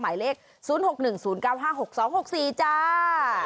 หมายเลข๐๖๑๐๙๕๖๒๖๔จ้า